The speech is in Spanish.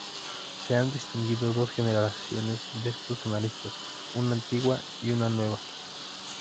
Se han distinguido dos generaciones de estos analistas: una antigua y una nueva.